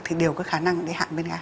thì đều có khả năng để hạng men gan